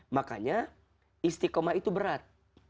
makanya istiqomah itu berat